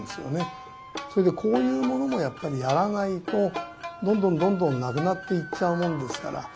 それでこういうものもやっぱりやらないとどんどんどんどんなくなっていっちゃうものですから。